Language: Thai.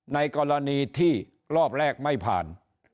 ในกรณีที่รอบแรกไม่ผ่าน